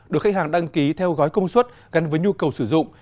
được khách hàng đăng ký theo gói công suất gắn với nhu cầu sử dụng